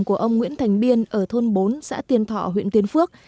của ông nguyễn thành biên ở thôn bốn xã tiên thọ huyện tiên phước